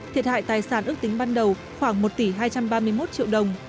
thiệt hại tài sản ước tính ban đầu khoảng một tỷ hai trăm ba mươi một triệu đồng